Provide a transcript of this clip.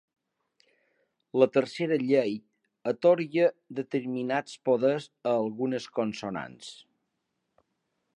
La tercera llei atorga determinats poders a algunes consonants.